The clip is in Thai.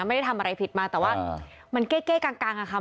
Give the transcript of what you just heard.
ไม่ได้ทำอะไรผิดมาแต่ว่ามันเก้กลางอะค่ะ